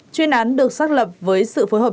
chuyên án được xác lập với sự phối hợp